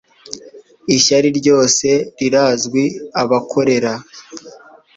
Ishyari ryose rirazwi abakorera